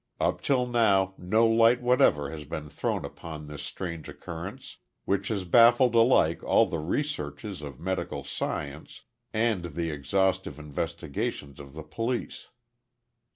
Up till now no light whatever has been thrown upon this strange occurrence which has baffled alike all the researches of medical science and the exhaustive investigations of the police.